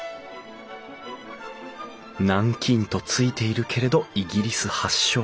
南京と付いているけれどイギリス発祥。